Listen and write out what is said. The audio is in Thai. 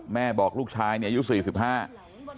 แม่บอกลูกชายเนี่ยอายุ๔๕